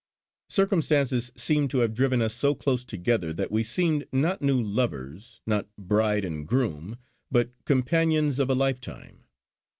Circumstances seemed to have driven us so close together that we seemed not new lovers, not bride and groom, but companions of a lifetime.